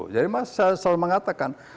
jadi saya selalu mengatakan